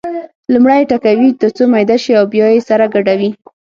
لومړی یې ټکوي تر څو میده شي او بیا یې سره ګډوي.